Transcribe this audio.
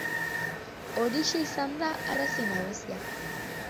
Horixe izan da arrazoi nagusia.